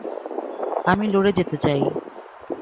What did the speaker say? আমি লড়ে যেতে চাই।